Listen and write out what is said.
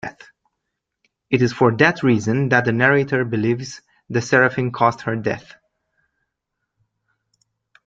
It is for that reason that the narrator believes the seraphim caused her death.